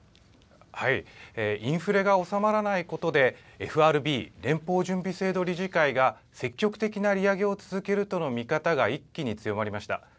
インフレが収まらないことで、ＦＲＢ・連邦準備制度理事会が、積極的な利上げを続けるとの見方が一気に強まりました。